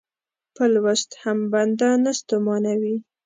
په لوست هم بنده نه ستومانوي.